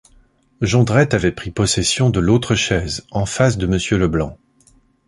Jondrette avait pris possession de l’autre chaise en face de Monsieur Leblanc.